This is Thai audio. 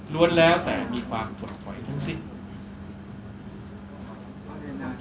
ล้วนแล้วแต่มีความถดคอยทั้งสิทธิ